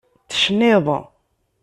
Tecnid.